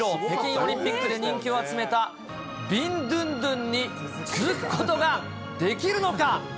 北京オリンピックで人気を集めたビンドゥンドゥンに続くことができるのか。